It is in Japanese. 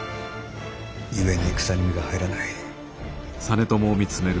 故に戦に身が入らない。